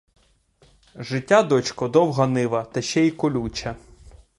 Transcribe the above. Життя, дочко, довга нива та ще й колюча.